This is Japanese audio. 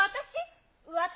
私？